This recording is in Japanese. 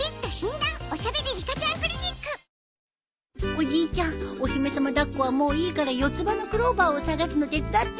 おじいちゃんお姫さま抱っこはもういいから四つ葉のクローバーを探すの手伝って。